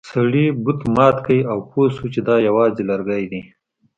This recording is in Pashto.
سړي بت مات کړ او پوه شو چې دا یوازې لرګی دی.